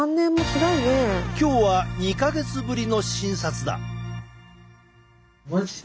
今日は２か月ぶりの診察だ。